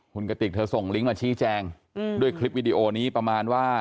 คุณกติกเธอส่งลิงก์มาชี้แจงด้วยคลิปวิดีโอนี้ประมาณว่า